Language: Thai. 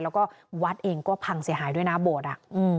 แล้วก็วัดเองก็พังเสียหายด้วยนะโบสถ์